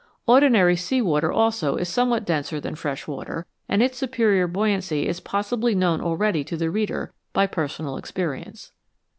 Ordinary sea water also is somewhat denser than fresh water, and its superior buoyancy is possibly known already to the reader by personal experience.